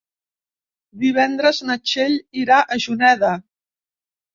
Divendres na Txell irà a Juneda.